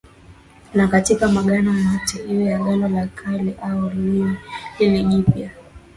na katika maagano yote iwe Agano la Kale ama lile jipya